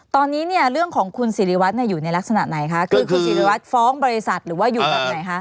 ตอนนี้เนี่ยเรื่องของคุณสิริวัตรอยู่ในลักษณะไหนคะคือคุณศิริวัตรฟ้องบริษัทหรือว่าอยู่แบบไหนคะ